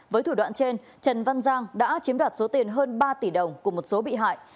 với thủ đoạn trên trần văn giang đã chiếm đoạt số tiền hơn ba tỷ đồng của một số bị hại